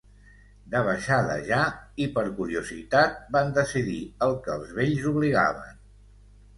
De baixada ja, i per curiositat, van decidir el que els vells obligaven.